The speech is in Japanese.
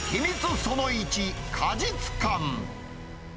その１、果実感。